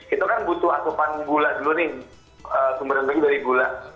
itu kan butuh asupan gula dulu nih sumberan bagi dari gula